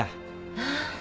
ああ。